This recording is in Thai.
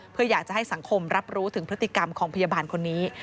เพื่ออยากจะให้สังคมรับรู้ถึงพฤติกรรมของพยาบาลคนนี้